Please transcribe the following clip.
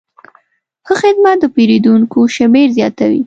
ښه خدمت د پیرودونکو شمېر زیاتوي.